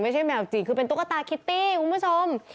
แมวจริงคือเป็นตุ๊กตาคิตตี้คุณผู้ชม